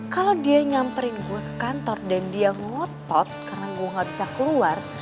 kalau dia nyamperin gue ke kantor dan dia ngotot karena gue gak bisa keluar